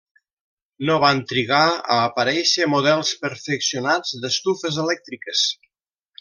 No van trigar a aparèixer models perfeccionats d'estufes elèctriques.